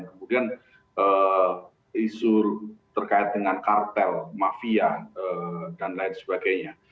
kemudian isu terkait dengan kartel mafia dan lain sebagainya